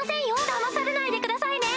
だまされないでくださいね。